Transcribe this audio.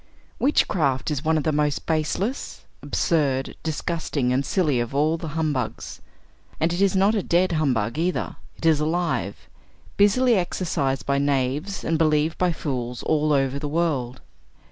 Witchcraft is one of the most baseless, absurd, disgusting and silly of all the humbugs. And it is not a dead humbug either; it is alive, busily exercised by knaves and believed by fools all over the world.